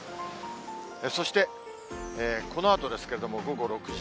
そして、このあとですけれども、午後６時。